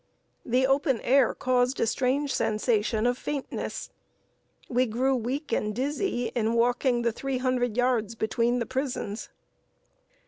The open air caused a strange sensation of faintness. We grew weak and dizzy in walking the three hundred yards between the prisons.